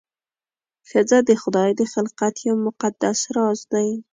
ښځه د خدای د خلقت یو مقدس راز دی.